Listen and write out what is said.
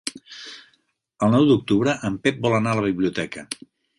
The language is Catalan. El nou d'octubre en Pep vol anar a la biblioteca.